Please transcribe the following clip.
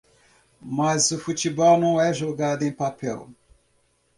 Mas o futebol não é jogado em papel.